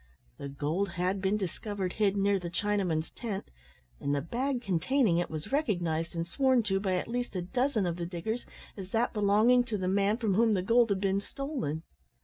The gold had been discovered hid near the Chinaman's tent, and the bag containing it was recognised and sworn to by at least a dozen of the diggers as that belonging to the man from whom the gold had been stolen.